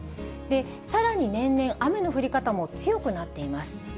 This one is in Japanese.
さらに年々、雨の降り方も強くなっています。